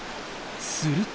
すると。